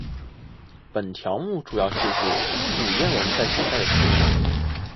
本条目主要叙述古谚文在现代的使用。